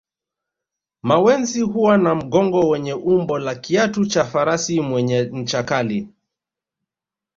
Mawenzi huwa na mgongo wenye umbo la kiatu cha farasi mwenye ncha kali